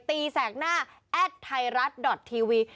แสกหน้าแอดไทยรัฐดอททีวี